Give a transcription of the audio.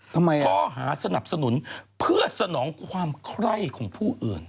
ข้อหาสนับสนุนเพื่อสนองความไคร้ของผู้อื่น